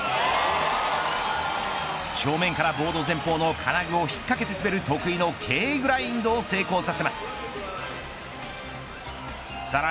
正面からボード前方の金具を引っかけで滑る得意なＫグラインドを成功させます。